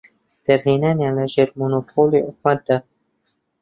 دەرهێنانیان لە ژێر مۆنۆپۆلی حکومەتدا.